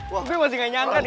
wah gue masih nggak nyangka deh